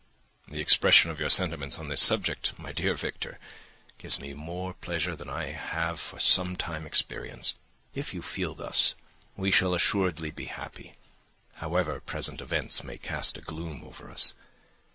"The expression of your sentiments of this subject, my dear Victor, gives me more pleasure than I have for some time experienced. If you feel thus, we shall assuredly be happy, however present events may cast a gloom over us.